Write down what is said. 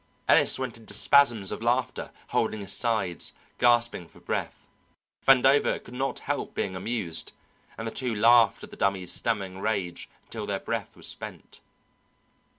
Ellis went into spasms of laughter, holding his sides, gasping for breath. Vandover could not help being amused, and the two laughed at the Dummy's stammering rage until their breath was spent.